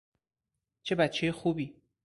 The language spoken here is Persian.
چه بچه خوبی!